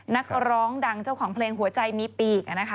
นักร้องดังเจ้าของเพลงหัวใจมีปีกนะคะ